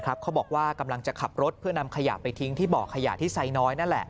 เขาบอกว่ากำลังจะขับรถเพื่อนำขยะไปทิ้งที่บ่อขยะที่ไซน้อยนั่นแหละ